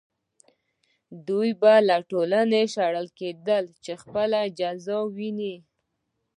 دوی به له ټولنې شړل کېدل چې خپله جزا وویني.